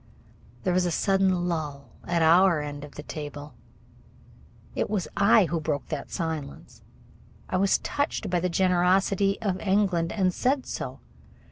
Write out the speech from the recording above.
There was a sudden lull at our end of the table. It was I who broke that silence. I was touched by the generosity of England, and said so.